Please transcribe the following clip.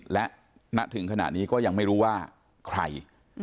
และณถึงขณะนี้ก็ยังไม่รู้ว่าใคร